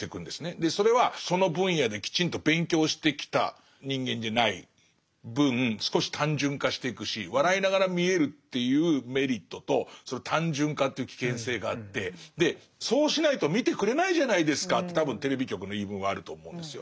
でそれはその分野できちんと勉強してきた人間じゃない分少し単純化してくし笑いながら見れるっていうメリットとその単純化っていう危険性があってでそうしないと見てくれないじゃないですかって多分テレビ局の言い分はあると思うんですよ。